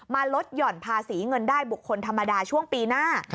ลดหย่อนภาษีเงินได้บุคคลธรรมดาช่วงปีหน้า